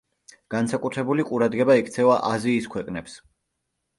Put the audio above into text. განსაკუთრებული ყურადღება ექცევა აზიის ქვეყნებს.